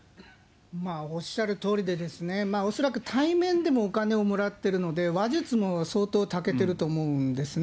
おっしゃるとおりで、恐らく対面でもお金をもらってるので、話術も相当たけてると思うんですね。